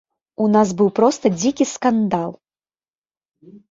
У нас быў проста дзікі скандал.